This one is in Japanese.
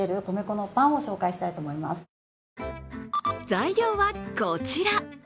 材料はこちら。